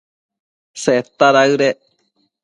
Seta daëdec